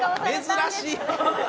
珍しい。